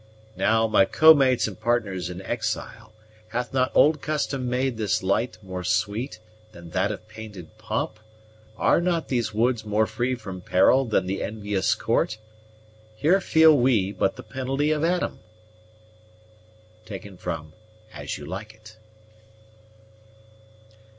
Now, my co mates and partners in exile, Hath not old custom made this life more sweet Than that of painted pomp? Are not these woods More free from peril than the envious court? Here feel we but the penalty of Adam. _As You Like It.